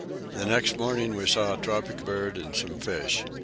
The next morning we saw a tropic bird and some fish.